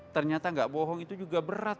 ternyata nggak bohong itu juga berat